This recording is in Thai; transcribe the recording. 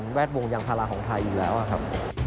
ยังแวดวงยังภาระของไทยอีกแล้วนะครับ